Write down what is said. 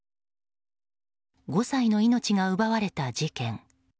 ５歳の命が奪われた事件。